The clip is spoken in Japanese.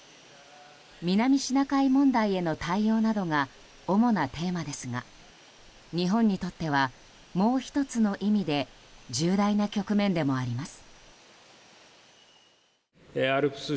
南シナ海問題への対応などが主なテーマですが日本にとってはもう１つの意味で重大な局面でもあります。